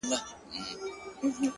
• ته لاهو په تنهایی کي ,